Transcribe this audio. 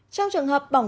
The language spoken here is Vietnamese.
trong trường hợp bỏng